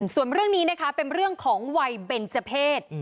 ส่วนเรื่องนี้นะคะเป็นเรื่องของวัยเบนเจอร์เพศ